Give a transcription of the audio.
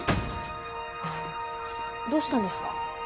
どうしたんですか？